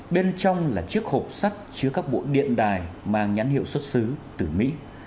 bên trong là chiếc hộp sắt chứa các bộ điện đài mang nhãn hiệu xuất xứ từ mỹ